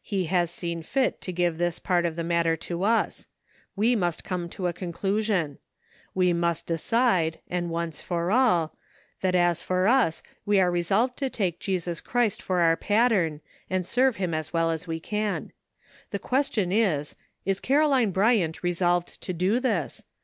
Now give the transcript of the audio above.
He has seen fit to give this part of ^he matter to US; We must eome to a conclusion We 294 GREAT QUESTIONS SETTLED. must decide, and once for all, that as for us we are resolved to take Jesus Christ for our pattern and serve him as well as we can. The question is, is Caroline Bryant resolved to do this?